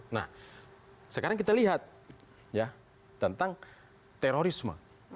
nah sekarang kita lihat ya tentang terorisme